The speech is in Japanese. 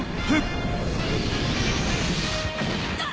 あっ！